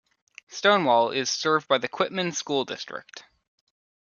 Stonewall is served by the Quitman School District.